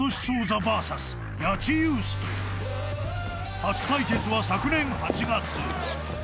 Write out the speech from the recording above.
［初対決は昨年８月］